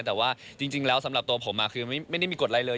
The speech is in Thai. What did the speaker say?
แต่ว่าจริงแล้วสำหรับตัวผมคือไม่ได้มีกฎอะไรเลย